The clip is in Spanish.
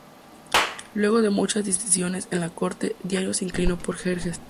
Luego de muchas disensiones en la corte, Darío se inclinó por Jerjes.